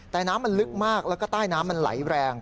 แต่น้ำมันลึกมากแล้วก็ใต้น้ำมันไหลแรง